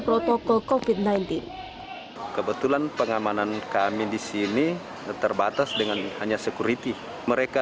protokol copy nanti kebetulan pengamanan kami disini terbatas dengan hanya security mereka